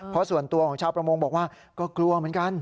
เพราะส่วนตัวของชาวประมงบอกว่าก็กลัวเหมือนกัน